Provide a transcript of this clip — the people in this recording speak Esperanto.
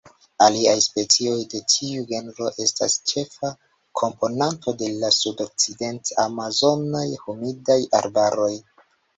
Aliaj specioj de tiu genro estas ĉefa komponanto de la sudokcident-amazonaj humidaj arbaroj.